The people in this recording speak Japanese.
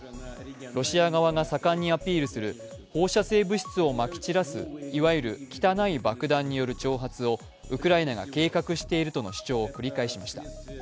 ロシア側が盛んにアピールする放射性物質をまき散らす、いわゆる汚い爆弾による挑発をウクライナが計画しているとの主張を繰り返しました。